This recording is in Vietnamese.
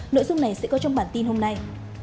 nội dung này sẽ có trong bản tin hôm nay